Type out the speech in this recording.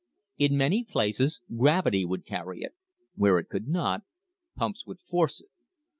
In many places gravity would carry it; where it could not, pumps would force it.